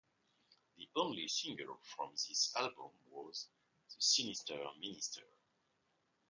The only single from this album was "The Sinister Minister".